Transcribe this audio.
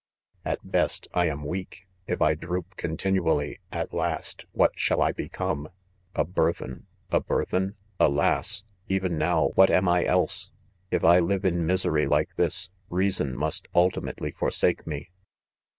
At best, I am weak f if I droop continually, at last, what shall I become ? a burthen, a burthen ? alas !— even now, what am I elsel ■ If l 'live in misery like. this, rea son must ultimately forsake me.